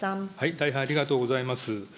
大変ありがとうございます。